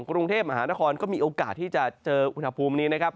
กรุงเทพมหานครก็มีโอกาสที่จะเจออุณหภูมินี้นะครับ